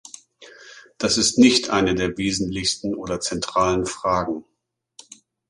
Das ist nicht eine der wesentlichsten oder zentralen Fragen.